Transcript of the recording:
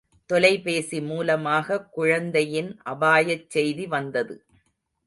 தொலைபேசி மூலமாக குழந்தையின் அபாயச் செய்தி வந்தது.